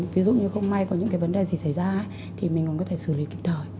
ví dụ như không may có những cái vấn đề gì xảy ra thì mình còn có thể xử lý kịp thời